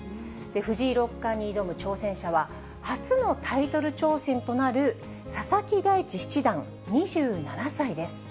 藤井六冠に挑む挑戦者は、初のタイトル挑戦となる佐々木大地七段２７歳です。